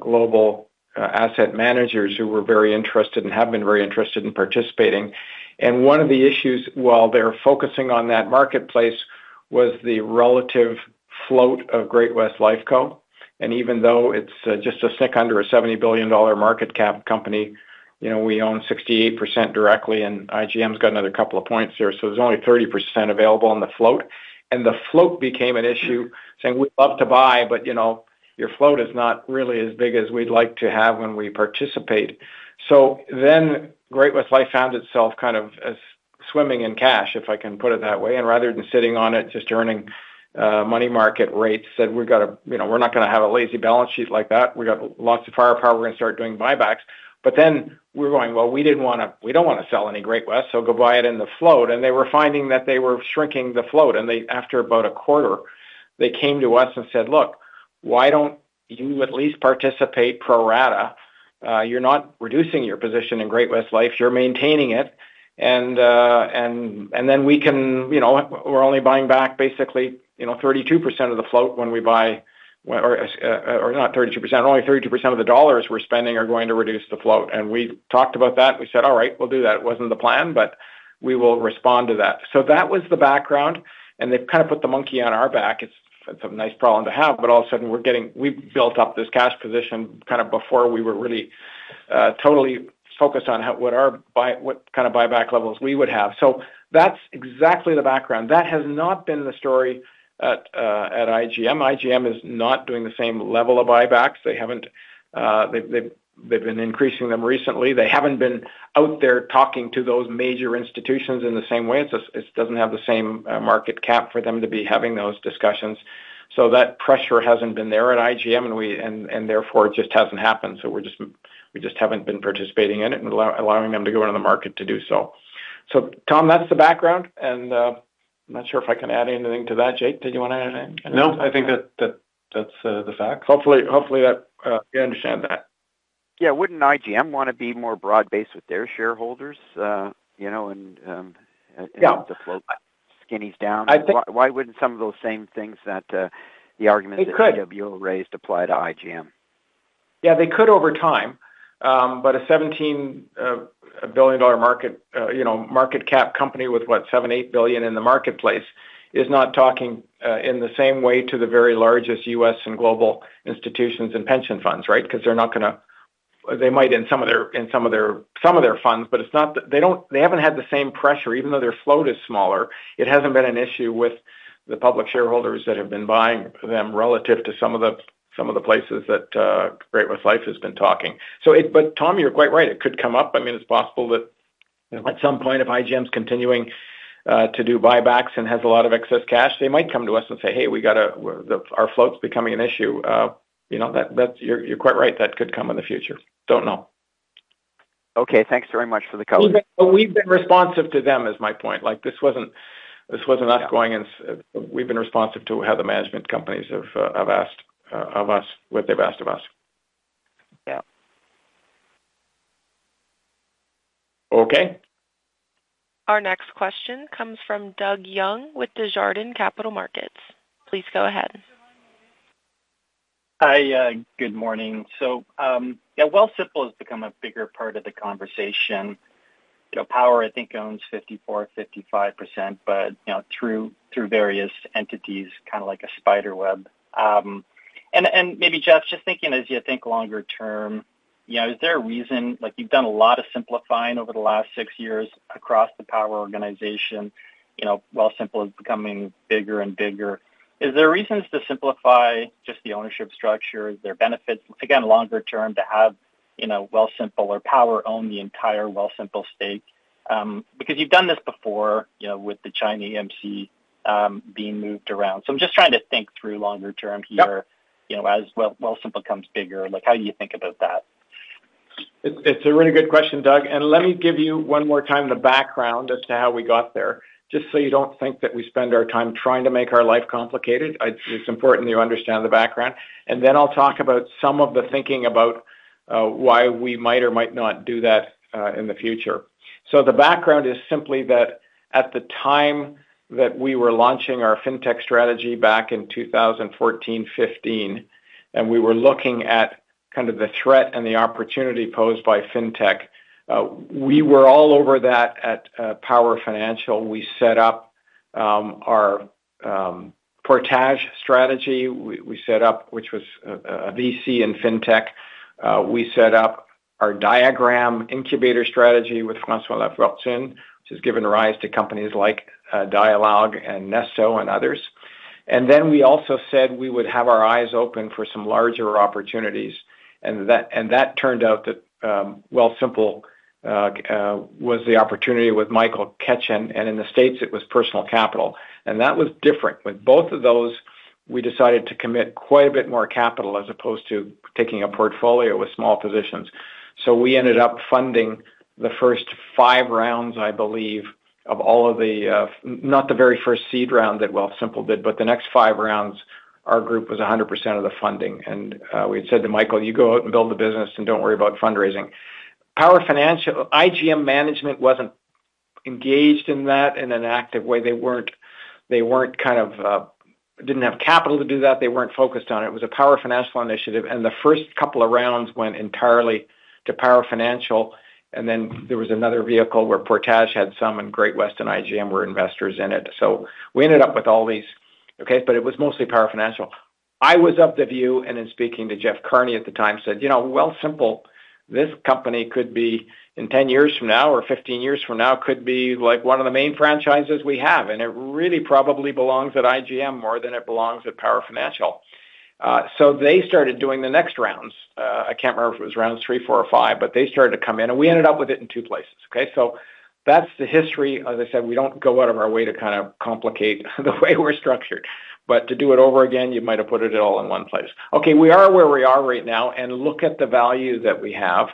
global asset managers who were very interested and have been very interested in participating. One of the issues, while they're focusing on that marketplace, was the relative float of Great-West Lifeco. Even though it's just a sick under a 70 billion dollar market cap company, you know, we own 68% directly, and IGM's got another 2 points there. There's only 30% available on the float. The float became an issue, saying: "We'd love to buy, but, you know, your float is not really as big as we'd like to have when we participate." Great-West Life found itself kind of as swimming in cash, if I can put it that way. Rather than sitting on it just earning money market rates, said, "You know, we're not going to have a lazy balance sheet like that. We got lots of firepower. We're going to start doing buybacks. Then we're going, "Well, we don't want to sell any Great-West, so go buy it in the float." They were finding that they were shrinking the float. After about a quarter, they came to us and said, "Look, why don't you at least participate pro rata? You're not reducing your position in Great-West Life. You're maintaining it." Then we can You know, we're only buying back basically, you know, 32% of the float when we buy, or not 32%, only 32% of the CAD we're spending are going to reduce the float. We talked about that. We said, "All right, we'll do that. It wasn't the plan, but we will respond to that." That was the background, and they've kind of put the monkey on our back. It's a nice problem to have, but all of a sudden, we've built up this cash position kind of before we were really totally focused on what kind of buyback levels we would have. That's exactly the background. That has not been the story at IGM. IGM is not doing the same level of buybacks. They haven't they've been increasing them recently. They haven't been out there talking to those major institutions in the same way. It doesn't have the same market cap for them to be having those discussions. That pressure hasn't been there at IGM, and therefore, it just hasn't happened. We just haven't been participating in it and allowing them to go out on the market to do so. Tom, that's the background, and I'm not sure if I can add anything to that. Jake, did you want to add anything? No, I think that that's the fact. Hopefully, you understand that. Yeah. Wouldn't IGM want to be more broad-based with their shareholders if the float skinnies down? Yeah. Why wouldn't some of those same things that, the argument AUM raised apply to IGM? It could. Yeah, they could over time. A 17 billion-dollar market, you know, market cap company with, what, 7, 8 billion in the marketplace is not talking in the same way to the very largest U.S. and global institutions and pension funds, right? Because they might in some of their funds, but they haven't had the same pressure. Even though their float is smaller, it hasn't been an issue with the public shareholders that have been buying them relative to some of the places that Great-West Life has been talking. Tom, you're quite right. It could come up. I mean, it's possible that at some point, if IGM's continuing to do buybacks and has a lot of excess cash, they might come to us and say, "Hey, we got our float's becoming an issue." You know, that's. You're quite right. That could come in the future. Don't know. Okay. Thanks very much for the color. We've been responsive to them is my point. Like, this wasn't us going and We've been responsive to how the management companies have asked of us, what they've asked of us. Yeah. Okay. Our next question comes from Doug Young with Desjardins Capital Markets. Please go ahead. Hi. Good morning. Yeah, Wealthsimple has become a bigger part of the conversation. You know, Power, I think, owns 54%, 55%, you know, through various entities, kind of like a spider web. Maybe Jeff, just thinking as you think longer term, you know, is there a reason Like, you've done a lot of simplifying over the last 6 years across the Power organization. You know, Wealthsimple is becoming bigger and bigger. Is there reasons to simplify just the ownership structure? Is there benefits, again, longer term, to have, you know, Wealthsimple or Power own the entire Wealthsimple stake? Because you've done this before, you know, with the China AMC being moved around. I'm just trying to think through longer term here you know, as Wealthsimple becomes bigger. Yep Like, how do you think about that? It's a really good question, Doug. Let me give you one more time the background as to how we got there, just so you don't think that we spend our time trying to make our life complicated. It's important you understand the background. Then I'll talk about some of the thinking about why we might or might not do that in the future. The background is simply that at the time that we were launching our Fintech strategy back in 2014, 2015, and we were looking at kind of the threat and the opportunity posed by Fintech, we were all over that at Power Financial. We set up our Portage strategy. We set up, which was a VC in Fintech. We set up our Diagram incubator strategy with François Lafortune, which has given rise to companies like Dialogue and Nesto and others. We also said we would have our eyes open for some larger opportunities. That turned out that Wealthsimple was the opportunity with Michael Katchen, and in the States, it was Personal Capital. That was different. With both of those, we decided to commit quite a bit more capital as opposed to taking a portfolio with small positions. We ended up funding the first five rounds, I believe, of all of the, not the very first seed round that Wealthsimple did, but the next five rounds, our group was 100% of the funding. We said to Michael, "You go out and build the business and don't worry about fundraising." IGM management wasn't engaged in that in an active way. They weren't kind of, didn't have capital to do that. They weren't focused on it. It was a Power Financial initiative. The first couple of rounds went entirely to Power Financial. There was another vehicle where Portage had some, and Great-West and IGM were investors in it. We ended up with all these, okay? It was mostly Power Financial. I was of the view, and in speaking to Jeff Carney at the time, said, "You know, Wealthsimple, this company could be, in 10 years from now or 15 years from now, could be like one of the main franchises we have, and it really probably belongs at IGM more than it belongs at Power Financial." They started doing the next rounds. I can't remember if it was rounds three, four or five, but they started to come in, and we ended up with it in two places. Okay. That's the history. As I said, we don't go out of our way to kind of complicate the way we're structured. To do it over again, you might have put it all in one place. Okay, we are where we are right now, and look at the value that we have.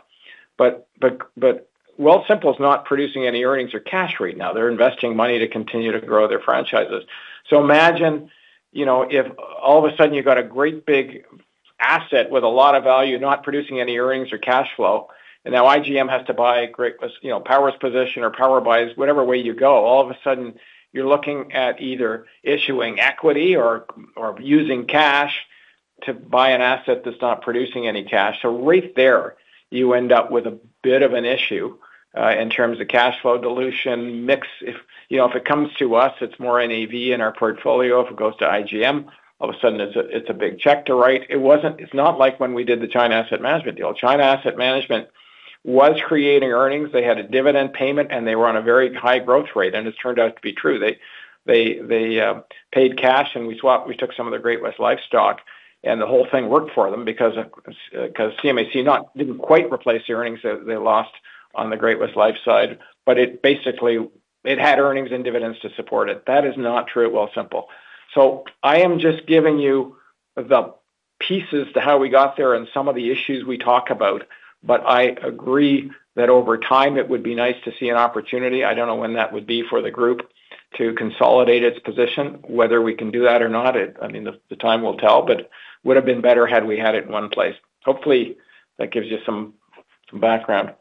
Wealthsimple is not producing any earnings or cash right now. They're investing money to continue to grow their franchises. Imagine, you know, if all of a sudden you've got a great big asset with a lot of value, not producing any earnings or cash flow. Now IGM has to buy Great-West, you know, Power's position or Power buys, whatever way you go. All of a sudden, you're looking at either issuing equity or using cash to buy an asset that's not producing any cash. Right there, you end up with a bit of an issue in terms of cash flow dilution mix. If, you know, if it comes to us, it's more NAV in our portfolio. If it goes to IGM, all of a sudden it's a big check to write. It's not like when we did the China Asset Management deal. China Asset Management was creating earnings. They had a dividend payment, they were on a very high growth rate, and it's turned out to be true. They paid cash, we took some of their Great-West Life stock, and the whole thing worked for them, because China AMC didn't quite replace the earnings that they lost on the Great-West Life side. It basically, it had earnings and dividends to support it. That is not true at Wealthsimple. I am just giving you the pieces to how we got there and some of the issues we talk about. I agree that over time, it would be nice to see an opportunity, I don't know when that would be for the group, to consolidate its position. Whether we can do that or not, I mean, the time will tell, but would have been better had we had it in one place. Hopefully, that gives you some background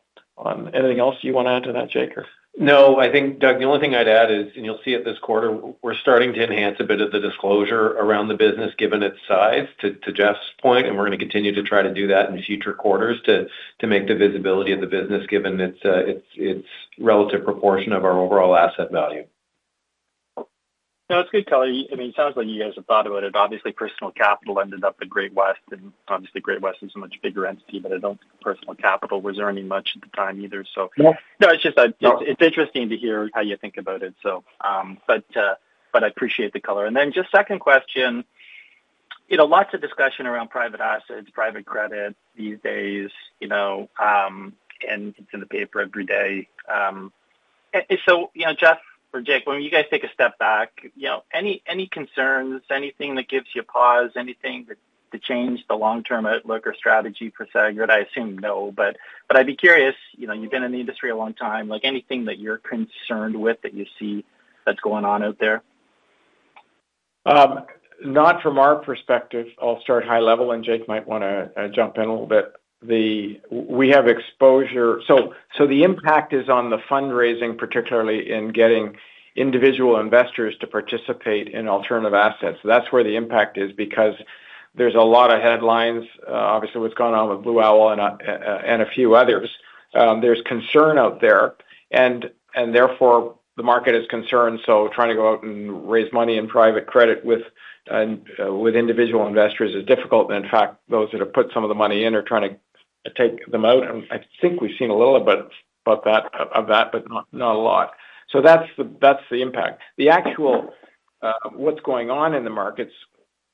on. Anything else you want to add to that, Jake? No, I think, Doug, the only thing I'd add is, and you'll see it this quarter, we're starting to enhance a bit of the disclosure around the business given its size, to Jeff's point, and we're going to continue to try to do that in future quarters to make the visibility of the business given its relative proportion of our overall asset value. No, it's good color. I mean, it sounds like you guys have thought about it. Obviously, Personal Capital ended up at Great-West, and obviously Great-West is a much bigger entity, but I don't think Personal Capital was earning much at the time either. No. It's interesting to hear how you think about it, but I appreciate the color. Then just second question. You know, lots of discussion around private assets, private credit these days, you know, and it's in the paper every day. You know, Jeff or Jake, when you guys take a step back, you know, any concerns, anything that gives you pause, anything that changed the long-term outlook or strategy for Sagard? I assume no, but I'd be curious. You know, you've been in the industry a long time, like anything that you're concerned with that you see that's going on out there? Not from our perspective. I'll start high level, and Jake might want to jump in a little bit. We have exposure. The impact is on the fundraising, particularly in getting individual investors to participate in alternative assets. That's where the impact is because there's a lot of headlines. Obviously, what's gone on with Blue Owl and a few others. There's concern out there and therefore the market is concerned, so trying to go out and raise money in private credit with individual investors is difficult. In fact, those that have put some of the money in are trying to take them out. I think we've seen a little bit about that, but not a lot. That's the impact. The actual what's going on in the markets,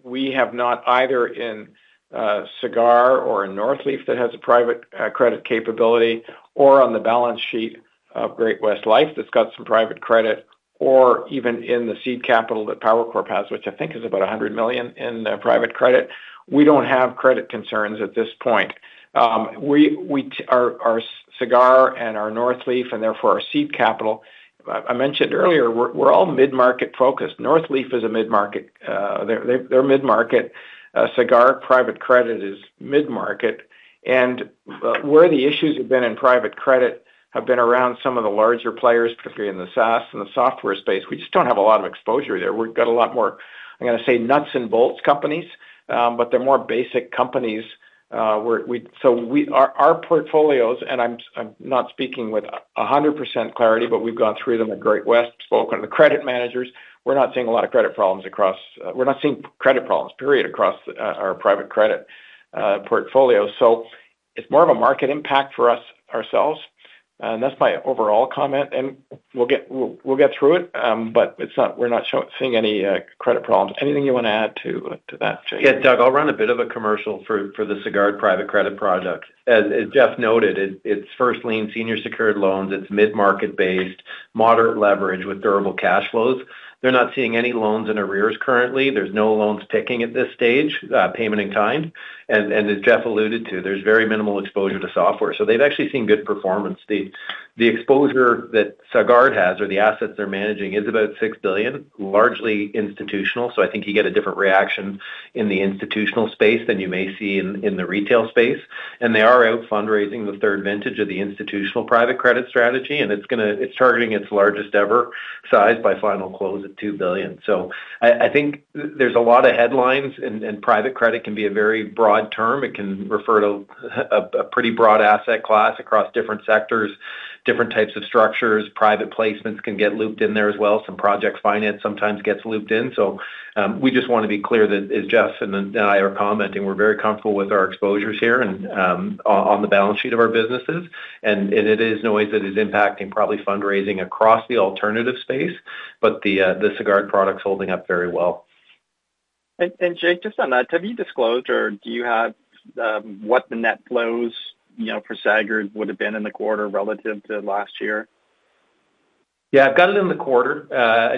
we have not either in Sagard or in Northleaf that has a private credit capability or on the balance sheet of Great-West Life that's got some private credit or even in the seed capital that Power Corp has, which I think is about 100 million in private credit. We don't have credit concerns at this point. Our Sagard and our Northleaf, and therefore our seed capital, I mentioned earlier, we're all mid-market focused. Northleaf is a mid-market, they're mid-market. Sagard Private Credit is mid-market. Where the issues have been in private credit have been around some of the larger players, particularly in the SaaS and the software space. We just don't have a lot of exposure there. We've got a lot more, I'm going to say, nuts and bolts companies. They're more basic companies, where our portfolios, and I'm not speaking with 100% clarity, but we've gone through them at Great-West, spoken to the credit managers. We're not seeing a lot of credit problems. We're not seeing credit problems, period, across our private credit portfolio. It's more of a market impact for us ourselves. That's my overall comment. We'll get through it, we're not seeing any credit problems. Anything you want to add to that, Jake? Yeah, Doug, I'll run a bit of a commercial for the Sagard Private Credit project. As Jeff noted, it's first lien senior secured loans. It's mid-market based, moderate leverage with durable cash flows. They're not seeing any loans in arrears currently. There's no loans ticking at this stage, payment in kind. As Jeff alluded to, there's very minimal exposure to software. They've actually seen good performance. The exposure that Sagard has or the assets they're managing is about 6 billion, largely institutional. I think you get a different reaction in the institutional space than you may see in the retail space. They are out fundraising the third vintage of the institutional private credit strategy, and it's targeting its largest ever size by final close at 2 billion. I think there's a lot of headlines and private credit can be a very broad term. It can refer to a pretty broad asset class across different sectors, different types of structures. Private placements can get looped in there as well. Some project finance sometimes gets looped in. We just want to be clear that as Jeff and I are commenting, we're very comfortable with our exposures here and on the balance sheet of our businesses. It is in a way that is impacting probably fundraising across the alternative space, but the Sagard product's holding up very well. Jake, just on that, have you disclosed or do you have, what the net flows, you know, for Sagard would have been in the quarter relative to last year? Yeah, I've got it in the quarter. I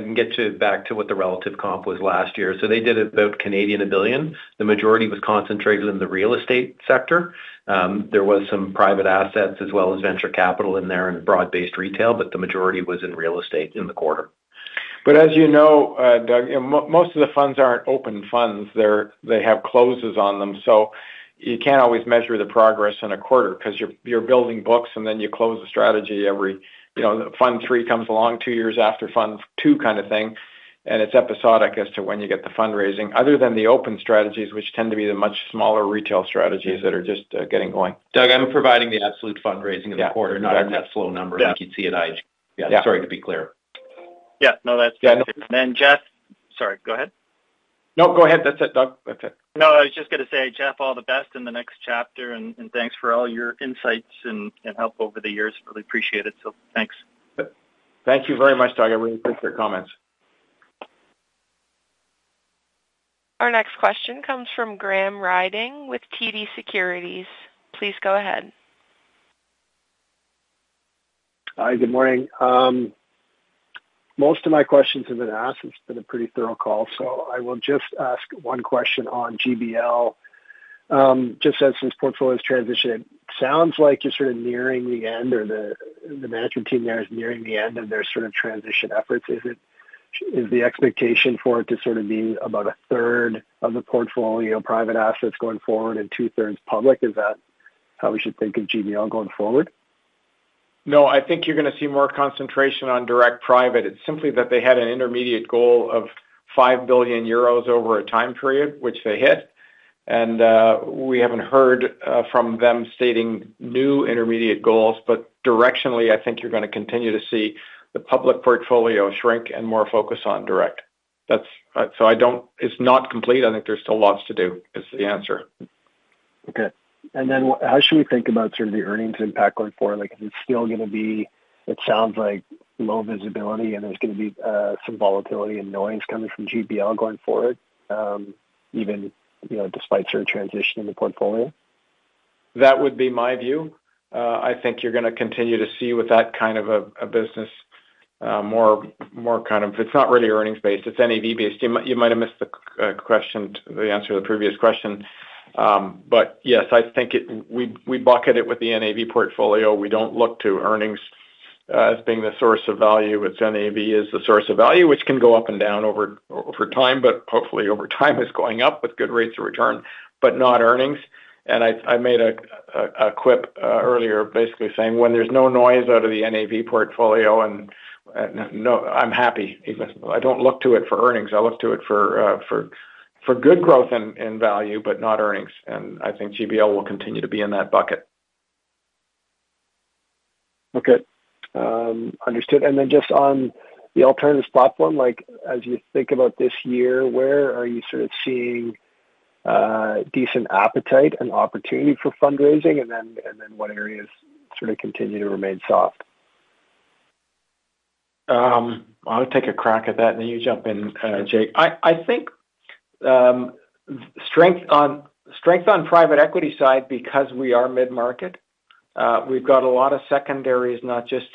can get back to what the relative comp was last year. They did about 1 billion. The majority was concentrated in the real estate sector. There was some private assets as well as venture capital in there and broad-based retail, but the majority was in real estate in the quarter. As you know, Doug, most of the funds aren't open funds. They have closes on them. You can't always measure the progress in a quarter because you're building books, and then you close the strategy every, you know, fund 3 comes along two years after fund 2 kind of thing. It's episodic as to when you get the fundraising, other than the open strategies, which tend to be the much smaller retail strategies that are just getting going. Doug, I'm providing the absolute fundraising of the quarter, not a net flow number like you'd see at IG. Yeah. Sorry, to be clear. Yeah. No, that's good. Yeah. Jeff. Sorry, go ahead. No, go ahead. That's it, Doug. That's it. No, I was just going to say, Jeff, all the best in the next chapter, and thanks for all your insights and help over the years. Really appreciate it. Thanks. Thank you very much, Doug. I really appreciate your comments. Our next question comes from Graham Ryding with TD Securities. Please go ahead. Hi, good morning. Most of my questions have been asked. It's been a pretty thorough call. I will just ask one question on GBL. Just as since portfolio's transition, it sounds like you're sort of nearing the end or the management team there is nearing the end of their sort of transition efforts. Is the expectation for it to sort of be about a third of the portfolio private assets going forward and 2/3 public? Is that how we should think of GBL going forward? No, I think you're going to see more concentration on direct private. It's simply that they had an intermediate goal of 5 billion euros over a time period, which they hit. We haven't heard from them stating new intermediate goals. Directionally, I think you're going to continue to see the public portfolio shrink and more focus on direct. It's not complete. I think there's still lots to do, is the answer. Okay. How should we think about sort of the earnings impact going forward? Like, is it still going to be, it sounds like low visibility and there's going to be some volatility and noise coming from GBL going forward, even, you know, despite sort of transitioning the portfolio? That would be my view. I think you're going to continue to see with that kind of a business, It's not really earnings-based, it's NAV-based. You might have missed the answer to the previous question. Yes, I think we bucket it with the NAV portfolio. We don't look to earnings as being the source of value. It's NAV is the source of value, which can go up and down over time, but hopefully over time is going up with good rates of return, but not earnings. I made a quip earlier basically saying when there's no noise out of the NAV portfolio, I'm happy. I don't look to it for earnings. I look to it for good growth and value, but not earnings. I think GBL will continue to be in that bucket. Okay, understood. Then just on the alternatives platform, like as you think about this year, where are you sort of seeing decent appetite and opportunity for fundraising? What areas sort of continue to remain soft? I'll take a crack at that, and then you jump in, Jake. I think strength on private equity side because we are mid-market, we've got a lot of secondaries, not just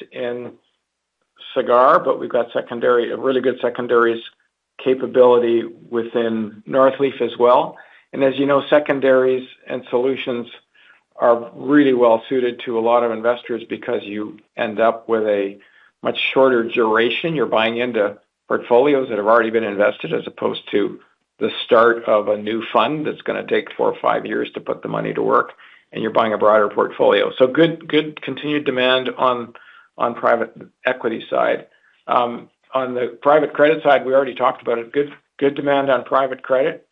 Sagard, but we've got a really good secondaries capability within Northleaf as well. As you know, secondaries and solutions are really well suited to a lot of investors because you end up with a much shorter duration. You're buying into portfolios that have already been invested, as opposed to the start of a new fund that's going to take four or five years to put the money to work, and you're buying a broader portfolio. Good continued demand on private equity side. On the private credit side, we already talked about it. Good demand on private credit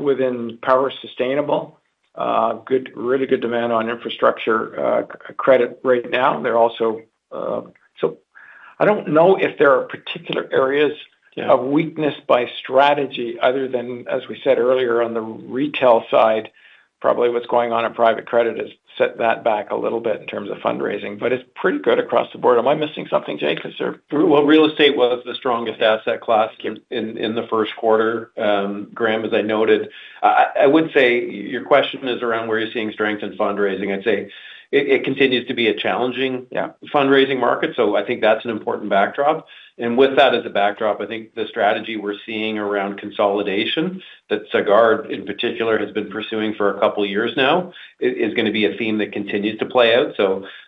within Power Sustainable. Really good demand on infrastructure credit right now. I don't know if there are particular areas of weakness by strategy other than, as we said earlier, on the retail side, probably what's going on in private credit has set that back a little bit in terms of fundraising, but it's pretty good across the board. Am I missing something, Jake? Real estate was the strongest asset class in the first quarter, Graham, as I noted. I would say your question is around where you're seeing strength in fundraising. I'd say it continues to be a challenging fundraising market. Yeah I think that's an important backdrop. With that as a backdrop, I think the strategy we're seeing around consolidation that Sagard, in particular, has been pursuing for a couple of years now is going to be a theme that continues to play out.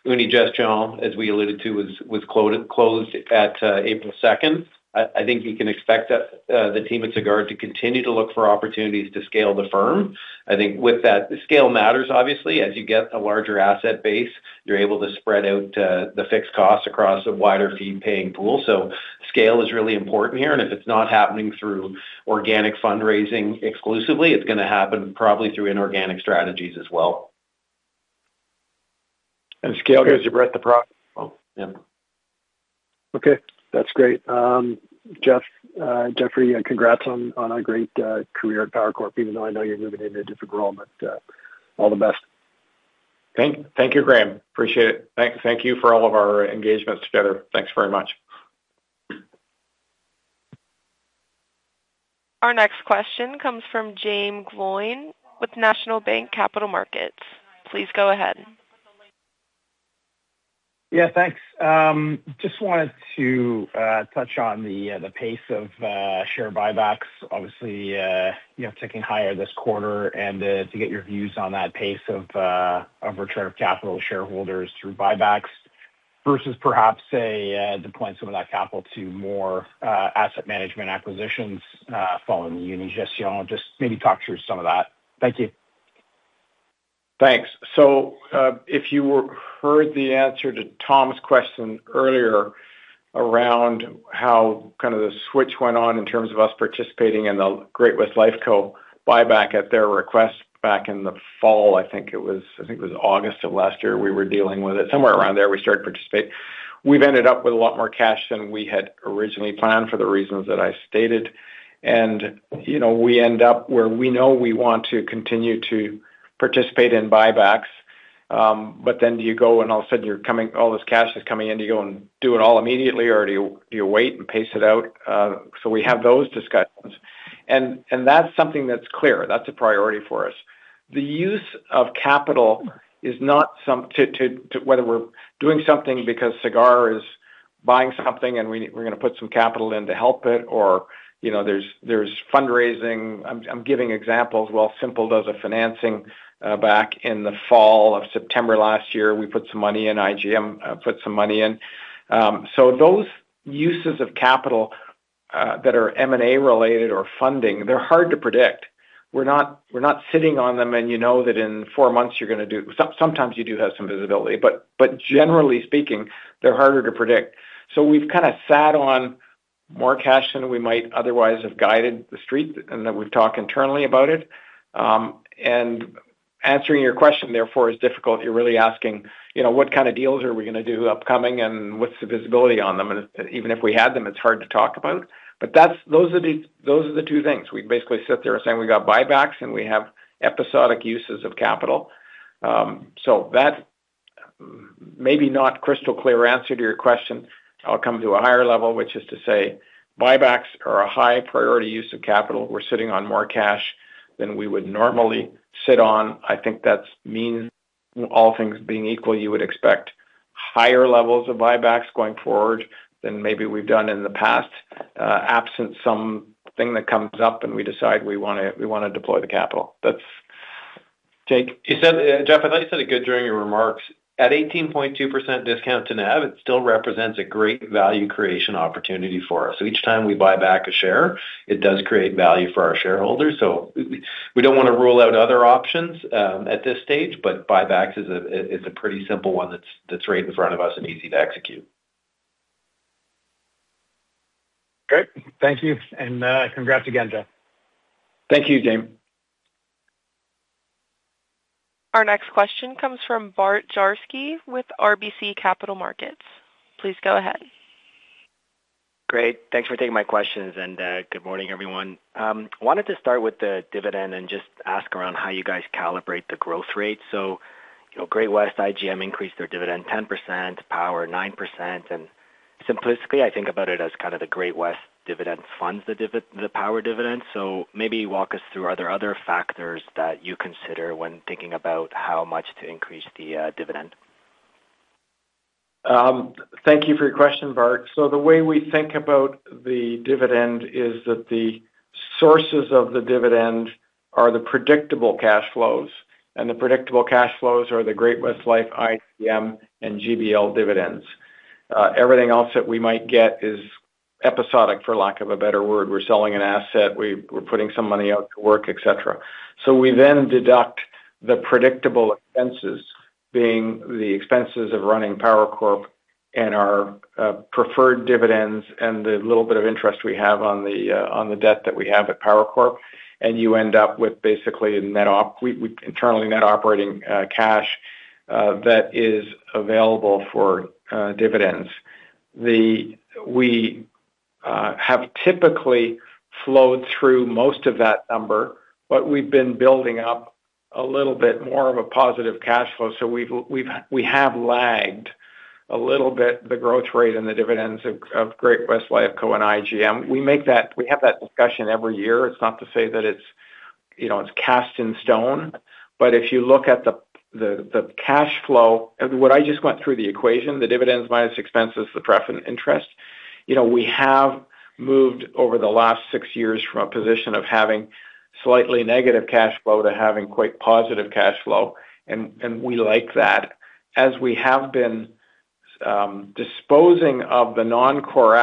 Unigestion, as we alluded to, was closed at April second. I think you can expect the team at Sagard to continue to look for opportunities to scale the firm. I think with that, scale matters, obviously. As you get a larger asset base, you're able to spread out the fixed costs across a wider fee-paying pool. Scale is really important here. If it's not happening through organic fundraising exclusively, it's going to happen probably through inorganic strategies as well. Scale gives you breadth across. Yeah. Okay, that's great. Jeffrey, congrats on a great career at Power Corp, even though I know you're moving into a different role. All the best. Thank you, Graham. Appreciate it. Thank you for all of our engagements together. Thanks very much. Our next question comes from Jaeme Gloyn with National Bank Capital Markets. Please go ahead. Yeah, thanks. Just wanted to touch on the pace of share buybacks. Obviously, you know, ticking higher this quarter, and to get your views on that pace of return of capital to shareholders through buybacks versus perhaps, say, deploying some of that capital to more asset management acquisitions, following the Unigestion. Just maybe talk through some of that. Thank you. Thanks. If you heard the answer to Tom MacKinnon's question earlier around how kind of the switch went on in terms of us participating in the Great-West Lifeco buyback at their request back in the fall, I think it was, I think it was August of last year, we were dealing with it. Somewhere around there, we started to participate. We've ended up with a lot more cash than we had originally planned for the reasons that I stated. You know, we end up where we know we want to continue to participate in buybacks. Do you go and all of a sudden all this cash is coming in, do you go and do it all immediately or do you wait and pace it out? We have those discussions. That's something that's clear. That's a priority for us. The use of capital is not whether we're doing something because Sagard is buying something and we're going to put some capital in to help it or, you know, there's fundraising. I'm giving examples. Wealthsimple does a financing back in the fall of September last year. We put some money in IGM put some money in. Those uses of capital that are M&A related or funding, they're hard to predict. We're not sitting on them and you know that in four months you're going to do. Sometimes you do have some visibility, but generally speaking, they're harder to predict. We've kind of sat on more cash than we might otherwise have guided the street, and that we've talked internally about it. Answering your question, therefore, is difficult. You're really asking, you know, what kind of deals are we going to do upcoming and what's the visibility on them? Even if we had them, it's hard to talk about. Those are the two things. We basically sit there saying we got buybacks and we have episodic uses of capital. That maybe not crystal clear answer to your question. I'll come to a higher level, which is to say buybacks are a high priority use of capital. We're sitting on more cash than we would normally sit on. I think I mean all things being equal, you would expect higher levels of buybacks going forward than maybe we've done in the past, absent something that comes up and we decide we want to deploy the capital. That's Jake. You said, Jeff, I thought you said it good during your remarks. At 18.2% discount to NAV, it still represents a great value creation opportunity for us. Each time we buy back a share, it does create value for our shareholders. We don't want to rule out other options at this stage, but buybacks is a pretty simple one that's right in front of us and easy to execute. Great. Thank you. Congrats again, Jeff. Thank you, Jaeme. Our next question comes from with RBC Capital Markets. Please go ahead. Great. Thanks for taking my questions. Good morning, everyone. Wanted to start with the dividend and just ask around how you guys calibrate the growth rate. You know, Great-West IGM increased their dividend 10%, Power 9%. Simplistically, I think about it as kind of the Great-West dividend funds the Power dividend. Maybe walk us through, are there other factors that you consider when thinking about how much to increase the dividend? Thank you for your question, [Berg]. The way we think about the dividend is that the sources of the dividend are the predictable cash flows, and the predictable cash flows are the Great-West Life, IGM, and GBL dividends. Everything else that we might get is episodic, for lack of a better word. We're selling an asset. We're putting some money out to work, et cetera. We then deduct the predictable expenses, being the expenses of running Power Corp and our preferred dividends and the little bit of interest we have on the debt that we have at Power Corp. You end up with basically internally net operating cash that is available for dividends. We have typically flowed through most of that number, but we've been building up a little bit more of a positive cash flow. We have lagged a little bit the growth rate and the dividends of Great-West Lifeco and IGM. We have that discussion every year. It's not to say that it's, you know, it's cast in stone. If you look at the cash flow, what I just went through the equation, the dividends minus expenses, the pref and interest. You know, we have moved over the last 6 years from a position of having slightly negative cash flow to having quite positive cash flow, and we like that. As we have been disposing of the non-core,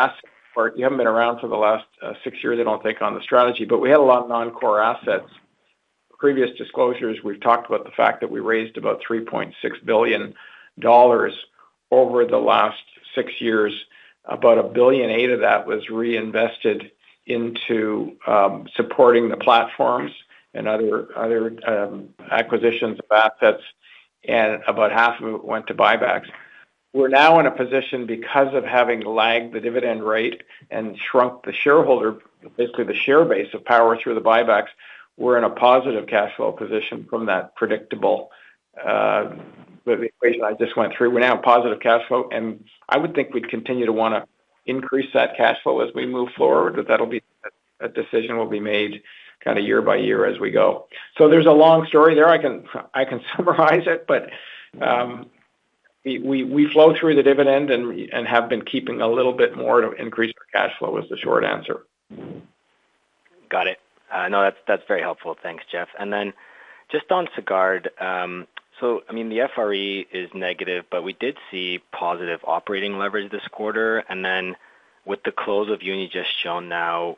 you haven't been around for the last six years, I don't think, on the strategy, but we had a lot of non-core assets. Previous disclosures, we've talked about the fact that we raised about 3.6 billion dollars over the last six years. About 1.8 billion of that was reinvested into supporting the platforms and other acquisitions of assets, and about half of it went to buybacks. We're now in a position because of having lagged the dividend rate and shrunk the shareholder, basically the share base of Power through the buybacks. We're in a positive cash flow position from that predictable the equation I just went through. We're now positive cash flow, and I would think we'd continue to want to increase that cash flow as we move forward. That'll be a decision will be made kind year by year as we go. There's a long story there. I can summarize it, but we flow through the dividend and have been keeping a little bit more to increase our cash flow, is the short answer. Got it. No, that's very helpful. Thanks, Jeff. Just on Sagard. I mean, the FRE is negative, but we did see positive operating leverage this quarter. With the close of Unigestion now,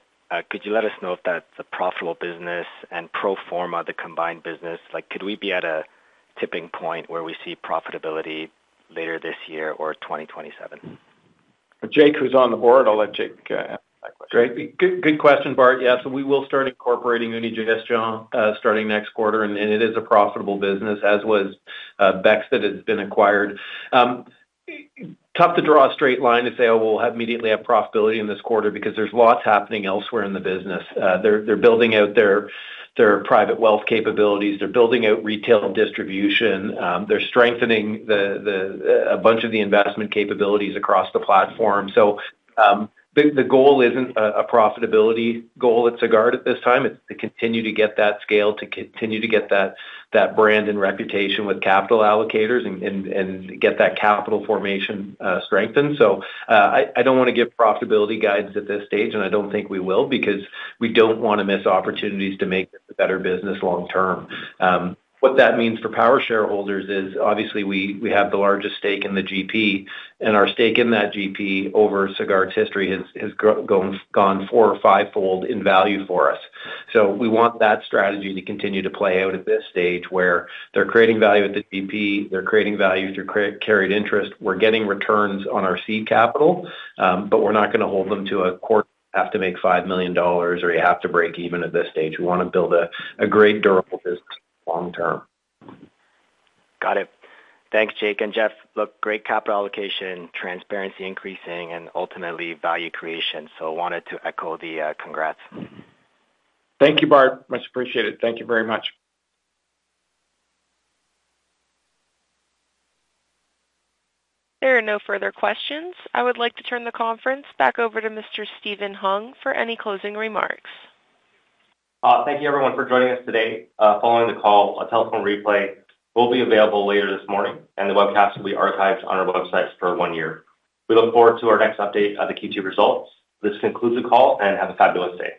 could you let us know if that's a profitable business and pro forma, the combined business? Like, could we be at a tipping point where we see profitability later this year or 2027? Jake is on the board, I will let Jake answer that question. Great. Good question, [Berg]. Yes, we will start incorporating Unigestion starting next quarter. It is a profitable business, as was BEX that has been acquired. Tough to draw a straight line to say, "Oh, we'll have immediately have profitability in this quarter," because there's lots happening elsewhere in the business. They're building out their private wealth capabilities. They're building out retail distribution. They're strengthening a bunch of the investment capabilities across the platform. The goal isn't a profitability goal at Sagard at this time. It's to continue to get that scale, to continue to get that brand and reputation with capital allocators and get that capital formation strengthened. I don't want to give profitability guides at this stage, and I don't think we will because we don't want to miss opportunities to make a better business long term. What that means for Power shareholders is obviously we have the largest stake in the GP, and our stake in that GP over Sagard's history has gone four or five-fold in value for us. We want that strategy to continue to play out at this stage where they're creating value at the GP. They're creating value through carried interest. We're getting returns on our seed capital, but we're not going to hold them to a quarter, have to make 5 million dollars or you have to break even at this stage. We want to build a great durable business long term. Got it. Thanks, Jake and Jeff. Look, great capital allocation, transparency increasing, and ultimately value creation. Wanted to echo the congrats. Thank you, [Berg]. Much appreciated. Thank you very much. There are no further questions. I would like to turn the conference back over to Mr. Stephen Hung for any closing remarks. Thank you, everyone for joining us today. Following the call, a telephone replay will be available later this morning and the webcast will be archived on our website for one year. We look forward to our next update at the Q2 results. This concludes the call, and have a fabulous day.